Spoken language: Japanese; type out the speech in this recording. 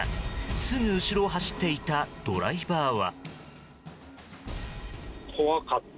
すぐ後ろを走っていたドライバーは。